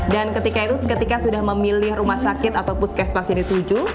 dan ketika itu ketika sudah memilih rumah sakit ataupun puskesmas yang dituju